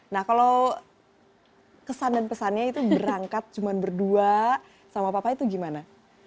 nah kalau kesan dan pesannya itu berangkat cuma berdua sama papa itu gimana